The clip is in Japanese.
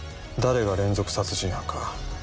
誰が連続殺人犯か。